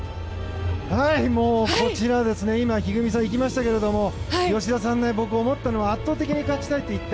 こちらに一二三さんいましたけども吉田さん、僕、思ったのは圧倒的に勝ちたいと言った。